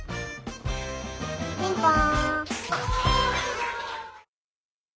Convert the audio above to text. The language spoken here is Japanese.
ピンポン。